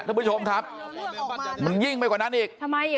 ท่านผู้ชมครับมึงยิ่งไปกว่านั้นอีก